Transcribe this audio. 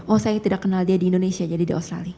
oh saya tidak kenal dia di indonesia jadi di australia